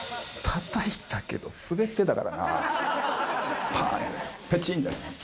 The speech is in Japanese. たたいたけど、滑ってたからな。